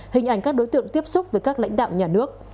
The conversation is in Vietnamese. hình ảnh các đối tượng tiếp xúc với các lãnh đạo nhà nước